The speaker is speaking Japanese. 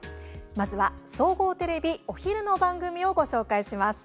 まずは、総合テレビお昼の番組をご紹介します。